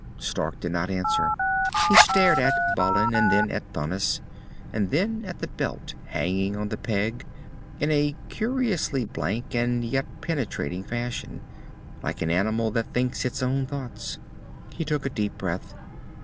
Stark did not answer. He stared at Balin, and then at Thanis, and then at the belt hanging on the peg, in a curiously blank and yet penetrating fashion, like an animal that thinks its own thoughts. He took a deep breath.